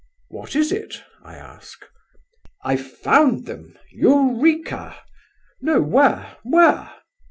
'What is it?' I ask. 'I've found them, Eureka!' 'No! where, where?